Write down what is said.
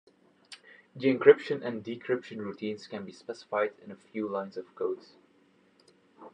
The encryption and decryption routines can be specified in a few lines of code.